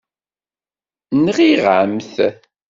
Nɣiɣ-am-t.